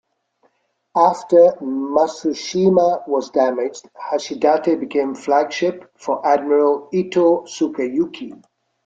After "Matsushima" was damaged, "Hashidate" became flagship for Admiral Itoh Sukeyuki.